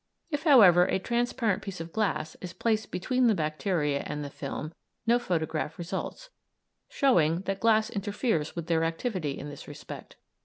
If, however, a transparent piece of glass is placed between the bacteria and the film no photograph results, showing that glass interferes with their activity in this respect.